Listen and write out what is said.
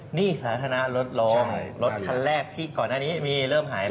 หนี้สาธารณะลดลงรถคันแรกที่ก่อนหน้านี้มีเริ่มหาย